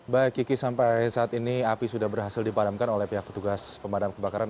baik kiki sampai saat ini api sudah berhasil dipadamkan oleh pihak petugas pemadam kebakaran